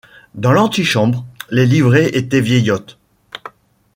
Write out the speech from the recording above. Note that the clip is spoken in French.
Dans l’antichambre, les livrées étaient vieillottes.